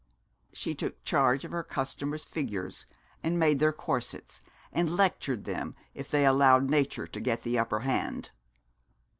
She took charge of her customer's figures, and made their corsets, and lectured them if they allowed nature to get the upper hand.